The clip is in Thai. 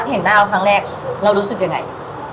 เห็นหน้าเราครั้งแรกเรารู้สึกยังไง